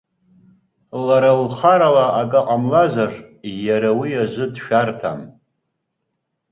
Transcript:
Лара лхарала акы ҟамлазар, иара уи азы дшәарҭам.